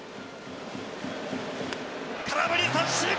空振り三振！